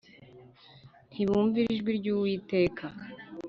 Ntibumvira ijwi ry’Uwiteka